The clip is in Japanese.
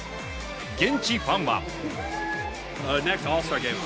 現地ファンは。